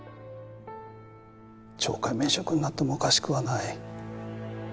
懲戒免職になってもおかしくはない。